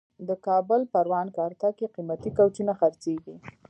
د کابل پروان کارته کې قیمتي کوچونه خرڅېږي.